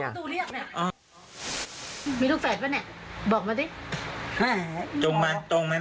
ใกล้แล้ว